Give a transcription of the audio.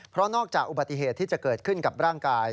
เพราะนอกจากอุบัติเหตุที่จะเกิดขึ้นกับร่างกาย